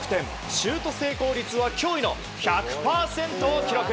シュート成功率は驚異の１００％を記録！